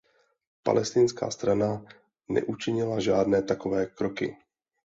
Palestinská strana neučinila žádné takové kroky.